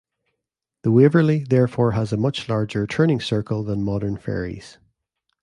The "Waverley" therefore has a much larger turning circle than modern ferries.